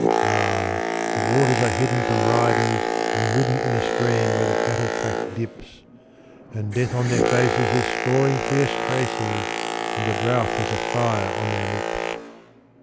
Ah! the waters are hidden from riders and ridden In a stream where the cattle track dips; And Death on their faces is scoring fierce traces, And the drouth is a fire on their lips.